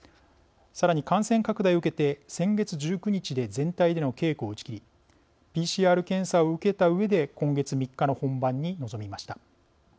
さらに、感染拡大を受けて先月１９日で全体での稽古を打ち切りＰＣＲ検査を受けたうえで今月３日の本番に臨みました。